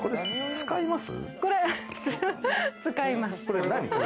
使います。